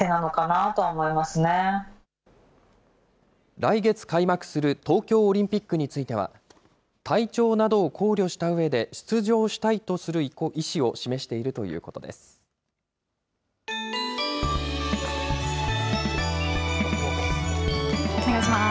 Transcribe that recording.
来月開幕する東京オリンピックについては、体調などを考慮したうえで出場したいとする意思を示しているといお願いします。